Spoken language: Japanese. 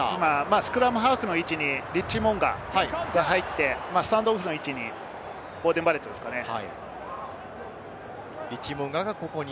スクラムハーフの位置にリッチー・モウンガが入って、スクラムハーフの位置にボーデン・バレットですかね？